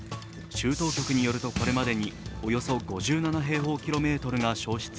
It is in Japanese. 州当局によるとおとといまでにおよそ４８平方キロメートルが焼失。